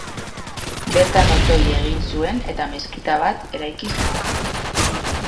Bertan otoi egin zuen eta meskita bat eraiki zuten.